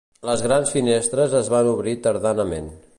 Les grans finestres es van obrir tardanament.